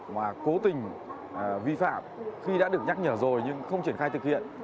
mà cố tình vi phạm khi đã được nhắc nhở rồi nhưng không triển khai thực hiện